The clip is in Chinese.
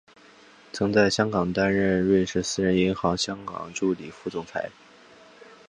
曾经在香港担任瑞士私人银行香港助理副总裁。